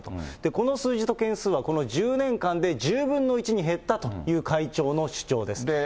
この数字と件数は、この１０年間で１０分の１に減ったという会長の主張です。